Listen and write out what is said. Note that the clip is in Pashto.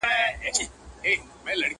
یوه سیوري ته دمه سو لکه مړی٫